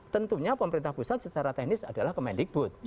tentunya pemerintah pusat secara teknis adalah kemendikbud